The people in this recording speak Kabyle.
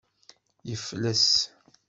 Yefles.